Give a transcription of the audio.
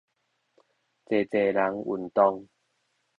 濟濟人運動